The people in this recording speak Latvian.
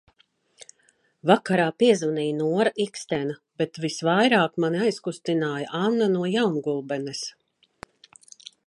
Vakarā piezvanīja Nora Ikstena, bet visvairāk mani aizkustinājā Anna no Jaungulbenes.